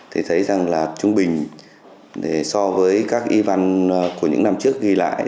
thì thấy rằng là trung bình so với các y văn của những năm trước ghi lại